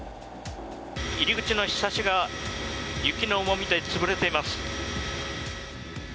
入り口のひさしが雪の重みで潰れています。